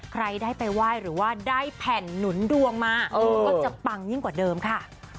ใครได้ไปไหว้หรือว่าได้แผ่นหนุนดวงมาก็จะปังยิ่งกว่าเดิมค่ะ